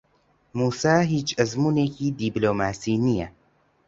مووسا هیچ ئەزموونێکی دیپلۆماسی نییە.